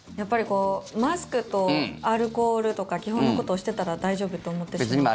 マスクとアルコールとか基本のことをしてたら大丈夫と思ってしまうとか。